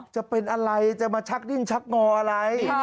จะเป็นอะไรจะมาชักดิ้นชักงออะไร